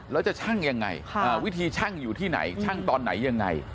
แล้วจะชั่งยังไงวิธีชั่งอยู่ที่ไหนช่างตอนไหนยังไง